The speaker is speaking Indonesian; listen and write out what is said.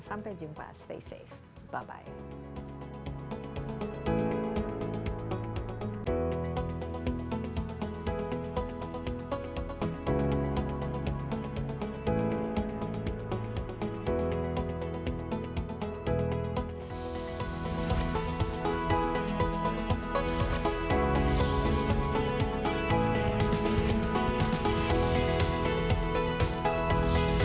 sampai jumpa stay safe bye bye